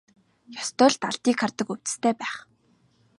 Ёстой л далдыг хардаг увдистай байх.